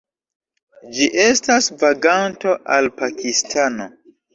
Ĝi estas vaganto al Pakistano.